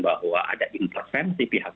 bahwa ada intervensi pihak